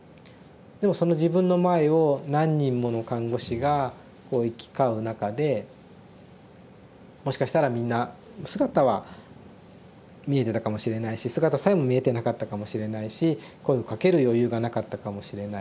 でもその自分の前を何人もの看護師がこう行き交う中でもしかしたらみんな姿は見えてたかもしれないし姿さえも見えてなかったかもしれないし声をかける余裕がなかったかもしれない。